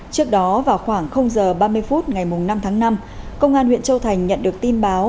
trước đó vào khoảng h ba mươi phút ngày năm tháng năm công an huyện châu thành nhận được tin báo